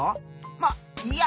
まっいいや！